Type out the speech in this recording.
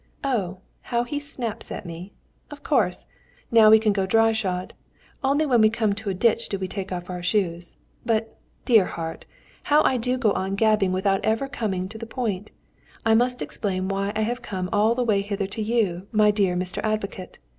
"Oh, how he snaps at me! Of course! Now we can go dry shod. Only when we come to a ditch do we take off our shoes. But, dear heart! how I do go on gabbling without ever coming to the point. I must explain why I have come all the way hither to you, my dear Mr. Advocate.